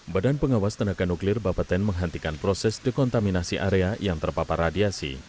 badan pengawas tenaga nuklir bapeten menghentikan proses dekontaminasi area yang terpapar radiasi